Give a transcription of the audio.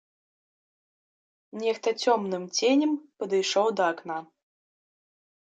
Нехта цёмным ценем падышоў да акна.